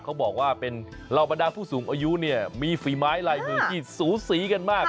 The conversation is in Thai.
เขาบอกว่าเป็นลาวบรรดาผู้สูงอายุมีฝีไม้ลายหูกิจสูสีกันมาก